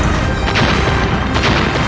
ayo bunda ayo bunda perlahan lahan